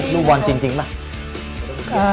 ลูกบอลจริงป่ะ